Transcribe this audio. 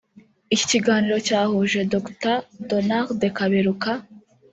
Iki kiganiro cyahuje Dr Donald Kaberuka